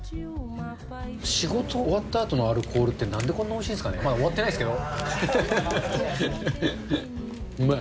仕事終わったあとのアルコールってなんでこんなにおいしいんですかね、まだ終わってないんですけど。